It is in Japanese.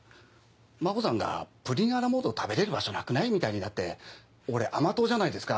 真帆さんが「プリン・ア・ラ・モード食べれる場所なくない？」みたいになって俺甘党じゃないですか。